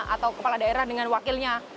atau kepala daerah dengan wakilnya